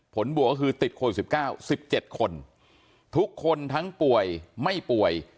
ผลบวกคือติดคน๑๙เป็น๑๗คนทุกคนทั้งป่วยไม่ป่วย